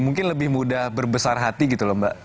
mungkin lebih mudah berbesar hati gitu loh mbak